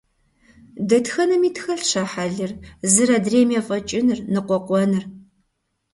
Дэтхэнэми тхэлъщ а хьэлыр – зыр адрейм ефӀэкӀыныр, ныкъуэкъуэныр.